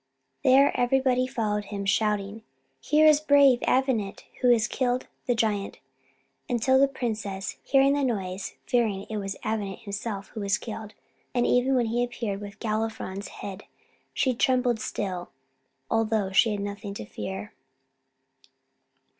There everybody followed him, shouting, "Here is brave Avenant, who has killed the giant," until the princess, hearing the noise, and fearing it was Avenant himself who was killed, appeared, all trembling; and even when he appeared with Galifron's head, she trembled still, although she had nothing to fear.